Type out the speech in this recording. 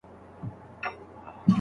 هغه په جګړه کې هېڅکله شاته تګ نه کاوه.